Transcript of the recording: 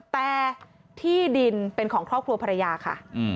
แต่ที่ดินเป็นของครอบครัวภรรยาค่ะ